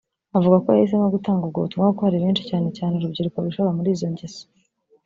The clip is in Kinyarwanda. Avuga ko yahisemo gutanga ubwo butumwa kuko hari benshi cyane cyane urubyiruko bishora muri izo ngeso mbi